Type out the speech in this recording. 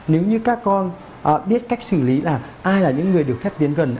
nếu như các con biết cách xử lý là ai là những người được phép tiến gần